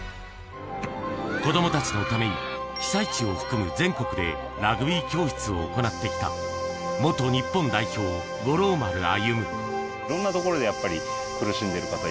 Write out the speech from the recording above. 子供たちのために被災地を含む全国でラグビー教室を行ってきた元日本代表、五郎丸歩。